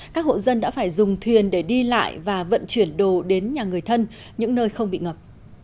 các hộ dân đã phải dùng thuyền để đi lại và vận chuyển đồ đến nhà người thân những nơi không bị ngập